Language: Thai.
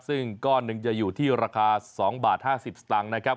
ซึ่งก้อนหนึ่งจะอยู่ที่ราคา๒บาท๕๐สตางค์นะครับ